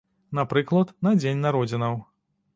Напрыклад, на дзень народзінаў.